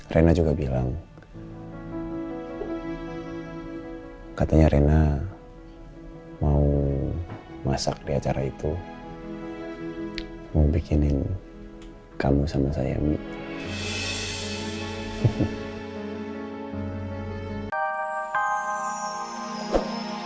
rena juga bilang katanya rena mau masak di acara itu mau bikinin kamu sama saya mie